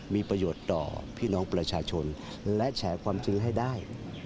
มีประโยชน์ต่อพี่น้องประชาชนและแฉความจริงให้ได้